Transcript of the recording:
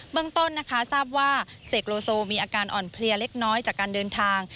เมืองต้นนะคะทราบว่าเสกโลโซมีอาการอ่อนเพลียเล็กน้อยจากการเดินทาง